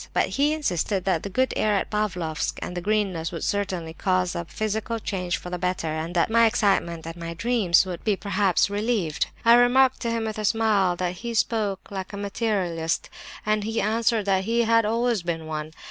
But he insisted that the good air at Pavlofsk and the greenness would certainly cause a physical change for the better, and that my excitement, and my dreams, would be perhaps relieved. I remarked to him, with a smile, that he spoke like a materialist, and he answered that he had always been one.